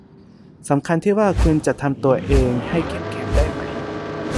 สำคัญที่ว่าคุณจะทำตัวเองให้เข้มแข็งได้ไหม